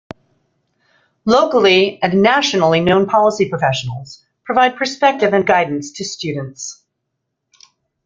Locally- and nationally-known policy professionals, provide perspective and guidance to students.